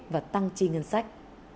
và tăng chi ngân sách